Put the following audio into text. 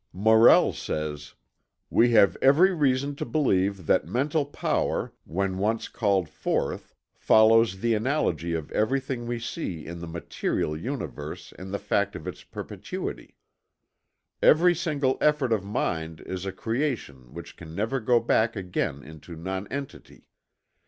Morell says: "We have every reason to believe that mental power when once called forth follows the analogy of everything we see in the material universe in the fact of its perpetuity. Every single effort of mind is a creation which can never go back again into nonentity.